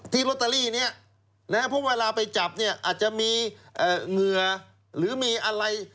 ทีลอตเตอรี่นี่พบเวลาไปจับอาจจะมีเหงื่อหรืออะไร